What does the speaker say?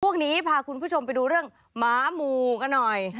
ช่วงนี้พาคุณผู้ชมไปดูเรื่องหมาหมู่กันหน่อย